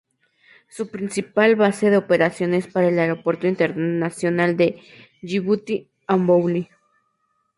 Su principal base de operaciones era el Aeropuerto Internacional de Yibuti-Ambouli.